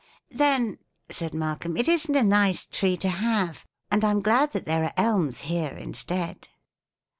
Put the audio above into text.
"Then," said Malcolm, "it isn't a nice tree to have, and I'm glad that there are elms here instead."